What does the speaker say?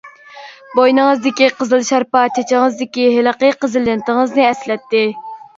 بوينىڭىزدىكى قىزىل شارپا، چېچىڭىزدىكى ھېلىقى قىزىل لېنتىڭىزنى ئەسلەتتى.